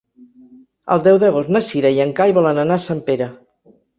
El deu d'agost na Cira i en Cai volen anar a Sempere.